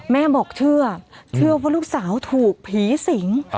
แม่บอกเชื่อเชื่อว่าลูกสาวถูกผีสิง